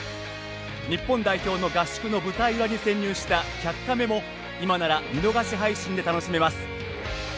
日本代表の合宿の舞台裏に潜入した１００カメも今なら見逃し配信で楽しめます。